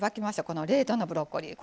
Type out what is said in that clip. この冷凍のブロッコリー